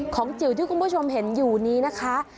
จิ๋วที่คุณผู้ชมเห็นอยู่นี้นะคะ